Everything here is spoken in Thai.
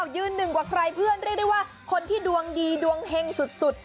ยืนหนึ่งกว่าใครเพื่อนเรียกได้ว่าคนที่ดวงดีดวงเฮงสุด